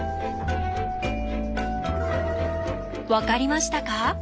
分かりましたか？